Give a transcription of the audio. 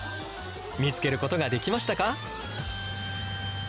見つけることができましたか？